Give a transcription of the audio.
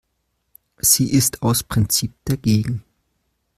Sie ist aus Prinzip dagegen.